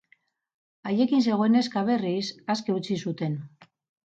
Haiekin zegoen neska, berriz, aske utzi zuten.